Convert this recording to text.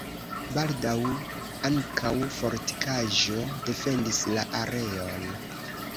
Baldaŭ ankaŭ fortikaĵo defendis la areon.